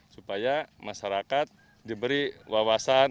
supaya masyarakat diberi wawasan